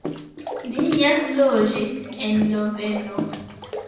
Li ja loĝis en Loveno.